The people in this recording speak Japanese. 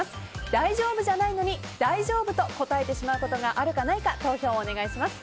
大丈夫じゃないのに大丈夫！と答えてしまうことがあるかないか投票をお願いします。